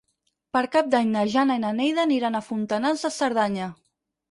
Per Cap d'Any na Jana i na Neida aniran a Fontanals de Cerdanya.